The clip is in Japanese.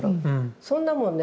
そんなもんね